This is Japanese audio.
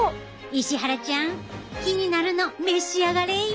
石原ちゃん気になるの召し上がれ。